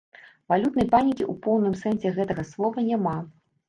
Валютнай панікі ў поўным сэнсе гэтага слова няма.